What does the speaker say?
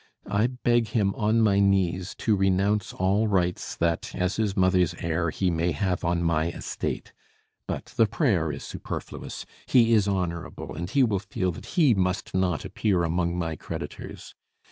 I beg him on my knees to renounce all rights that, as his mother's heir, he may have on my estate. But the prayer is superfluous; he is honorable, and he will feel that he must not appear among my creditors.